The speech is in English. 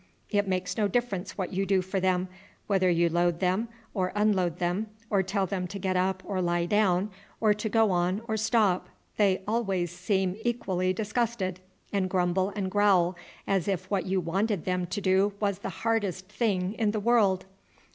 It makes no difference what you do for them whether you load them or unload them, or tell them to get up or lie down, or to go on or stop they always seem equally disgusted, and grumble and growl as if what you wanted them to do was the hardest thing in the world.